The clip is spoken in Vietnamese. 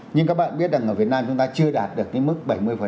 nhưng các bạn biết rằng ở việt nam chúng ta chưa đạt được cái mức bảy mươi